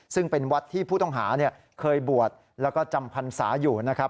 ซึ่งเป็นวัดที่ผู้ต้องหาเคยบวชแล้วก็จำพรรษาอยู่นะครับ